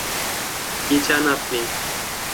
কী চান আপনি?